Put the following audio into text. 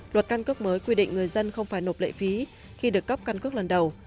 luật căn cước mới quy định người dân không phải nộp lệ phí khi được cấp căn cước lần đầu